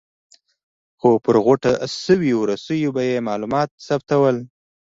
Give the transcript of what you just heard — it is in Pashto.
خو پر غوټه شویو رسیو به یې معلومات ثبتول.